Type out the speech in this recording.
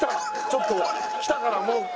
ちょっと来たからもうダメだ。